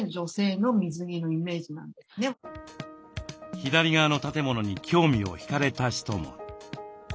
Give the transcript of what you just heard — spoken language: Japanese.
左側の建物に興味を引かれた人も。